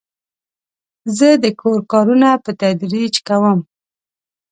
زه د کور کارونه په تدریج کوم.